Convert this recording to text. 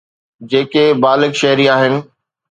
جيڪي بالغ شهري آهن.